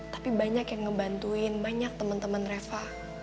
tapi banyak yang ngebantuin banyak temen temen reva